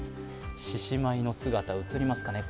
獅子舞の姿、映りますかね。